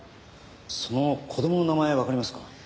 その子供の名前わかりますか？